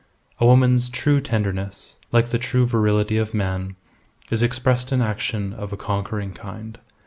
A woman's true tenderness, like the true virility of man, is expressed in action of a conquering kind.